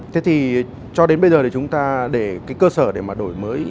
thế thì cho đến bây giờ chúng ta để cơ sở để đổi mới